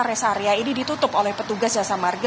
rest area ini ditutup oleh petugas jasa marga